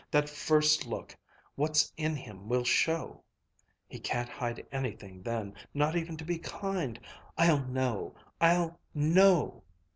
That first look, what's in him will show! He can't hide anything then, not even to be kind. I'll know! I'll know!"